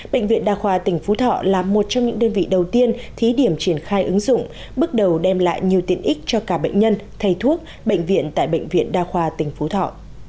bệnh viện đa khoa tỉnh phú thọ là một trong những đơn vị đầu tiên thí điểm triển khai ứng dụng bước đầu đem lại nhiều tiện ích cho cả bệnh nhân thầy thuốc bệnh viện tại bệnh viện đa khoa tỉnh phú thọ